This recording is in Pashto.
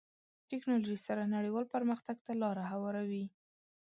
ټکنالوژي سره نړیوال پرمختګ ته لاره هواروي.